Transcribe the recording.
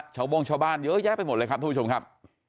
โม่งชาวบ้านเยอะแยะไปหมดเลยครับทุกผู้ชมครับ